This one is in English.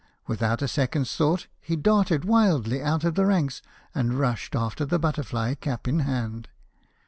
Without a second's thought, he darted wildly out of the ranks, and rushed after the butterfly, cap in hand.